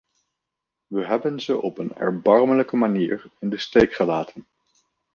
We hebben ze op een erbarmelijke manier in de steek gelaten.